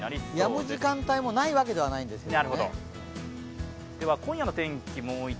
やむ時間帯もないわけではないんですけどね。